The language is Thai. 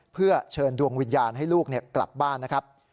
เพื่อเชิญดวงวิญญาณให้ลูกกลับบ้านนะครับ